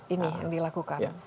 ini yang dilakukan